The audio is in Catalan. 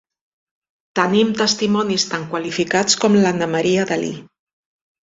Tenim testimonis tan qualificats com l'Anna Maria Dalí.